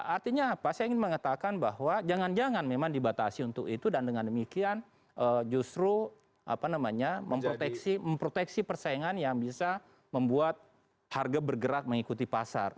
artinya apa saya ingin mengatakan bahwa jangan jangan memang dibatasi untuk itu dan dengan demikian justru memproteksi persaingan yang bisa membuat harga bergerak mengikuti pasar